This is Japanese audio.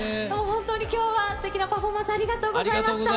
本当に、きょうはすてきなパフォーマンス、ありがとうございました。